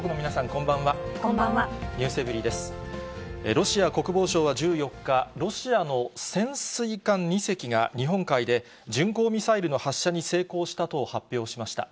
ロシア国防省は１４日、ロシアの潜水艦２隻が日本海で巡航ミサイルの発射に成功したと発表しました。